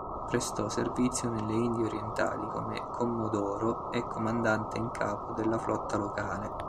Prestò servizio nelle Indie Orientali come commodoro e comandante in capo della flotta locale.